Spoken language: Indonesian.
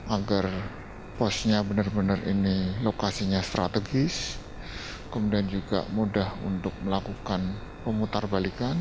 agar posnya benar benar ini lokasinya strategis kemudian juga mudah untuk melakukan pemutar balikan